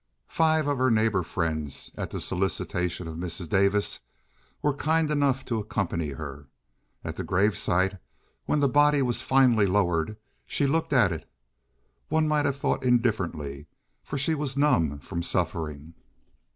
Five of her neighborhood friends, at the solicitation of Mrs. Davis, were kind enough to accompany her. At the grave side when the body was finally lowered she looked at it, one might have thought indifferently, for she was numb from suffering.